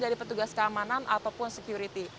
dari petugas keamanan ataupun security